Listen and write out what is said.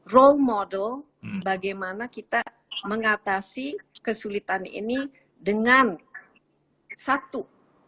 role model bagaimana kita mengatasi kesulitan ini dengan satu